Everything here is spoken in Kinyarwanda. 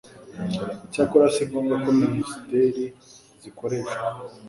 icyakora si ngombwa ko minisiteri zikoreshwa